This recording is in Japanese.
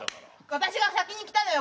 私が先に来たのよ